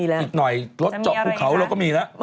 อีกหน่อยรถเจาะภูเขาเราก็มีแล้ว